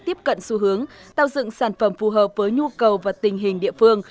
tiếp cận xu hướng tạo dựng sản phẩm phù hợp với nhu cầu và tình hình địa phương